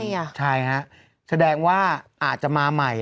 ใครอ่ะใช่ฮะแสดงว่าอาจจะมาใหม่